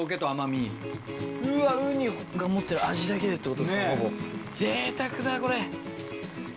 うわウニが持ってる味だけでってことですかほぼ。